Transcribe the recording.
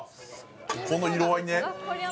この色合いね。